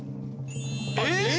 えっ！